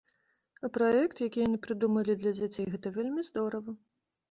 А праект, які яны прыдумалі для дзяцей, гэта вельмі здорава.